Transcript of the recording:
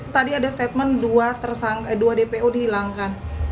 tadi ada statement dua dpo dihilangkan